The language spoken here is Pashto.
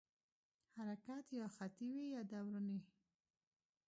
حرکت یا خطي وي یا دوراني.